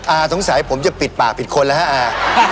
สงสัยผมจะปิดปากปิดคนแล้วฮะอา